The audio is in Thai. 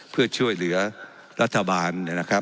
เพื่อช่วยเหลือรัฐบาล